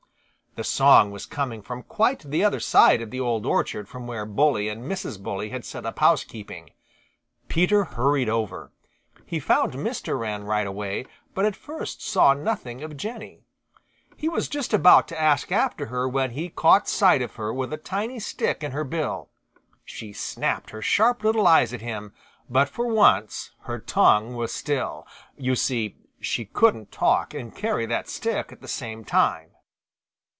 The song was coming from quite the other side of the Old Orchard from where Bully and Mrs. Bully had set up housekeeping. Peter hurried over. He found Mr. Wren right away, but at first saw nothing of Jenny. He was just about to ask after her when he caught sight of her with a tiny stick in her bill. She snapped her sharp little eyes at him, but for once her tongue was still. You see, she couldn't talk and carry that stick at the same time.